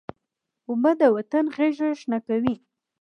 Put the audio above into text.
اوبه د وطن غیږه شنه کوي.